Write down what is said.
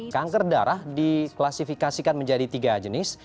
kanker darah diklasifikasikan menjadi tiga jenis